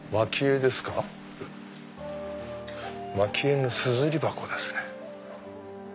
蒔絵のすずり箱ですね。